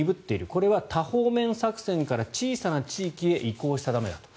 これは多方面作戦から小さな地域へ移行したためだと。